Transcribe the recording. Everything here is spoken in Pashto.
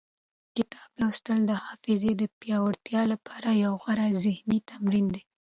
کتاب لوستل د حافظې د پیاوړتیا لپاره یو غوره ذهني تمرین دی.